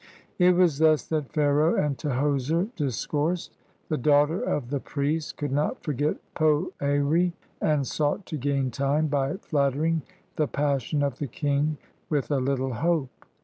It was thus that Pharaoh and Tahoser discoursed: the daughter of the priest could not forget Poeri, and sought to gain time by flattering the passion of the king with a little hope.